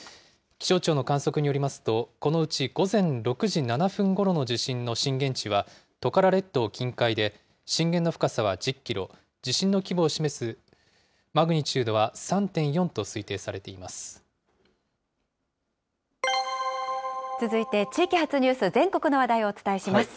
気象庁の観測によりますと、このうち午前６時７分ごろの地震の震源地はトカラ列島近海で、震源の深さは１０キロ、地震の規模を示すマグニチュードは３．４と推定されています。